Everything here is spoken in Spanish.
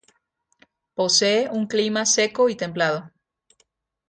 Posee un clima seco y templado.